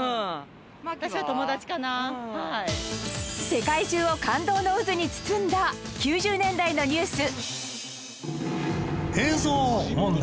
世界中を感動の渦に包んだ９０年代のニュース